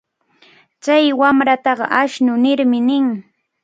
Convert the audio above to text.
Chay wamrataqa ashnu nirmi nin.